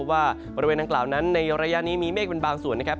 ว่าบริเวณดังกล่าวนั้นในระยะนี้มีเมฆเป็นบางส่วนนะครับ